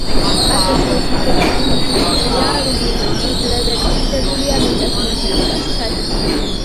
აგრეთვე ვითარდება ინდუსტრია, რომელიც ძირითადად დაკავშირებულია მიწათმოქმედებასთან.